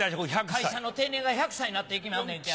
会社の定年が１００歳になって行きまんねんて。